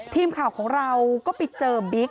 ทีมข่าวของเราก็ไปเจอบิ๊ก